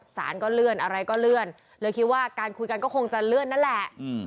สารก็เลื่อนอะไรก็เลื่อนเลยคิดว่าการคุยกันก็คงจะเลื่อนนั่นแหละ